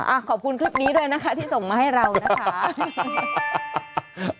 อ่าขอบคุณคลิปนี้ด้วยนะคะที่ส่งมาให้เรานะคะฮ่าฮ่าฮ่าฮ่า